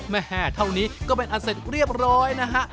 แม่เท่านี้ก็เป็นอันเสร็จเรียบร้อยนะฮะ